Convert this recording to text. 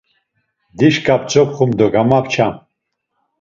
Dişka p̌tzopxum do gamapçam.